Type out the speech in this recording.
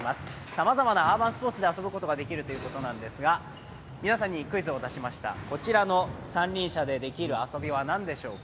さまざまなアーバンスポーツで遊ぶことができるということなんですが、皆さんにクイズを出しました、こちらの三輪車でできる遊びはなんでしょうか。